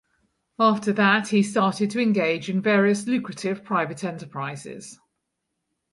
After that he started to engage in various lucrative private enterprises.